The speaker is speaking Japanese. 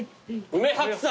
梅白菜。